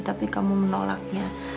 tapi kamu menolaknya